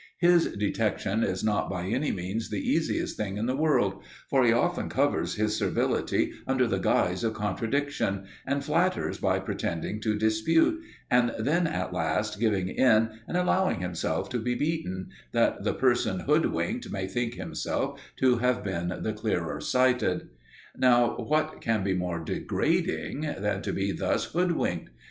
His detection is not by any means the easiest thing in the world, for he often covers his servility under the guise of contradiction, and flatters by pretending to dispute, and then at last giving in and allowing himself to be beaten, that the person hoodwinked may think himself to have been the clearer sighted. Now what can be more degrading than to be thus hoodwinked?